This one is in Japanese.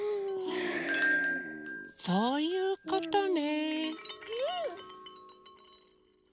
そういうことね。